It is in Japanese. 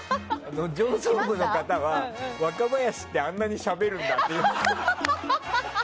上層部の方は、若林ってあんなにしゃべるんだって。